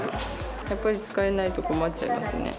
やっぱり使えないと困っちゃいますね。